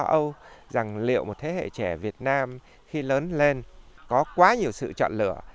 có một mối lo âu rằng liệu một thế hệ trẻ việt nam khi lớn lên có quá nhiều sự chọn lửa